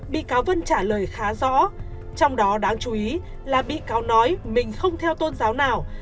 bị cáo vân trả lời khá rõ trong đó đáng chú ý là bị cáo nói mình không theo tôn giáo nào